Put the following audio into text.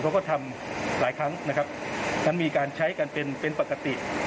เขาก็ทำหลายครั้งมันมีการใช้กันเป็นปกติ